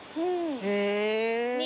へえ。